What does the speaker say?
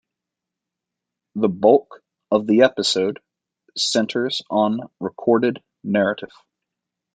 The bulk of the episode centres on recorded narrative.